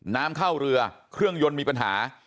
น้ำเข้าเรือเครื่องยนต์มีปัญหา